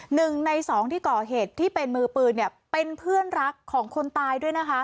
หนึ่งในสองที่ก่อเหตุที่เป็นมือปืนเนี่ยเป็นเพื่อนรักของคนตายด้วยนะคะ